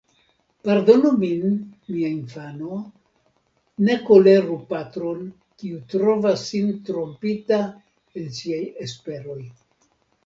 Pardonu min, mia infano; ne koleru patron, kiu trovas sin trompita en siaj esperoj.